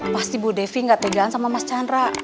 pasti bu devi gak tegaan sama mas chandra